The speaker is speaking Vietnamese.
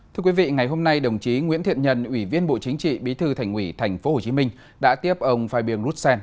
thưa quý vị ngày hôm nay đồng chí nguyễn thiện nhân ủy viên bộ chính trị bí thư thành ủy tp hcm đã tiếp ông phai biên rút sen